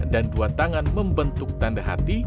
dan dua tangan membentuk tanda hati